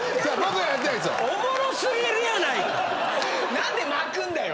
何で巻くんだよ！